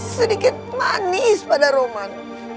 sedikit manis pada romain